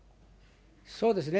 そうですね。